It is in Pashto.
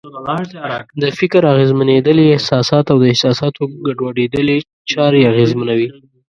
د فکر اغېزمنېدل یې احساسات او د احساساتو ګډوډېدل یې چارې اغېزمنوي.